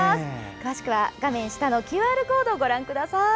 詳しくは画面下のＱＲコードをご覧ください。